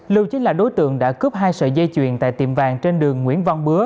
lưu chính là đối tượng đã cướp hai sợi dây chuyền tại tiệm vàng trên đường nguyễn văn bứa